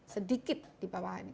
sedikit di bawah ini